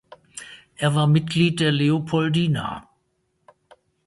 Er war Mitglied der Leopoldina.